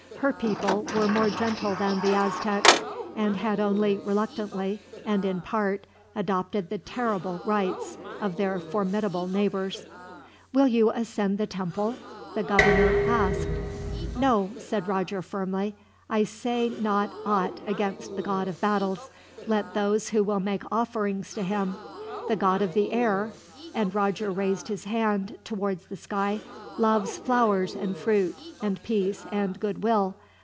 Her people were more gentle than the Aztecs, and had only reluctantly, and in part, adopted the terrible rites of their formidable neighbors. "Will you ascend the temple?" the governor asked. "No," Roger said firmly. "I say not aught against the god of battles. Let those who will make offerings to him. The God of the Air," and Roger raised his hand towards the sky, "loves flowers and fruit and peace and goodwill.